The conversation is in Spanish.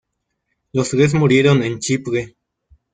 Los tres murieron en Chipre.